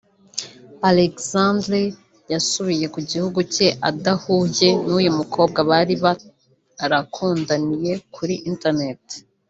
Alexander yasubiye ku gihugu cye adahuye n’uyu mukobwa bari barakundaniye kuri interineti